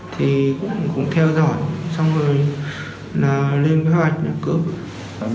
thì cũng theo dõi xong rồi là lên kế hoạch cướp